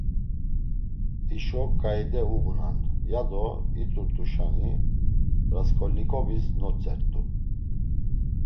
Hişo ǩaide uğunan, yado it̆urt̆uşani, Rasǩolnikovis notzert̆u.